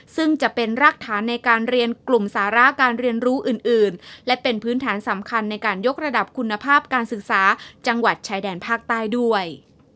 ซึ่งจะเป็นรากฐานในการเรียนกลุ่มสาระการเรียนรู้อื่นและเป็นพื้นฐานสำคัญในการยกระดับคุณภาพการศึกษาจังหวัดชายแดนภาคใต้ด้วย